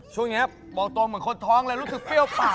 ช่วงนี้บอกตรงเหมือนคนท้องเลยรู้สึกเปรี้ยวปาก